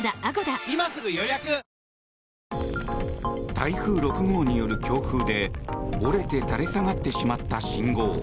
台風６号による強風で折れて、垂れ下がってしまった信号。